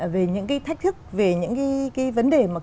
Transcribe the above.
về những thách thức về những vấn đề mà cần phải giải quyết hiện nay là gì